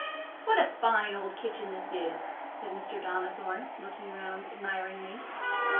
"What a fine old kitchen this is!" said Mr. Donnithorne, looking round admiringly.